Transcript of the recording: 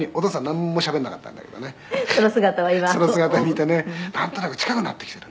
「その姿見てねなんとなく近くなってきてるね」